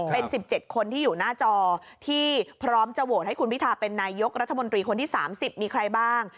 เป็น๑๗คนที่อยู่หน้าจอที่พร้อมจะโหวตให้คุณพิทาเป็นนายกรัฐมนตรีคนที่๓๐มีใครบ้าง